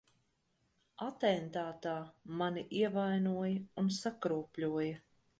Atentātā mani ievainoja un sakropļoja.